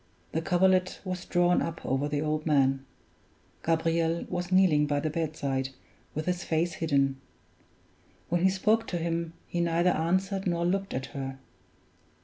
The coverlet was drawn up over the old man; Gabriel was kneeling by the bedside, with his face hidden. When she spoke to him, he neither answered nor looked at her.